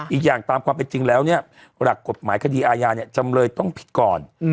อีกอย่างตามความเป็นจริงแล้วเนี่ยหลักกฎหมายคดีอาญาเนี่ยจำเลยต้องผิดก่อน